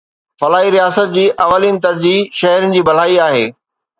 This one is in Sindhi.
فلاحي رياست جي اولين ترجيح شهرين جي ڀلائي آهي